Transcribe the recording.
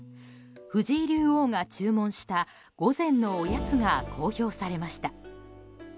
藤井竜王が注文した午前のおやつが公表されました。